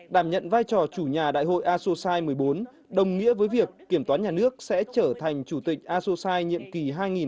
đảm nhận vai trò chủ nhà đại hội asosai một mươi bốn đồng nghĩa với việc kiểm toán nhà nước sẽ trở thành chủ tịch asosai nhiệm kỳ hai nghìn hai mươi hai nghìn hai mươi năm